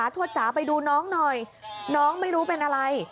ทวดจ๋าไปดูน้องหน่อยน้องไม่รู้เป็นอะไร